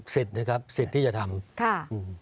สิทธิ์นะครับสิทธิ์ที่จะทำ